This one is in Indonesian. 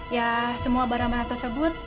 ya semua barang barang tersebut